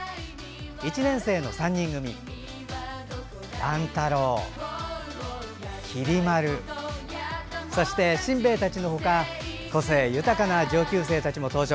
１年生の３人組乱太郎、きり丸そして、しんべヱたちの他個性豊かな上級生たちも登場。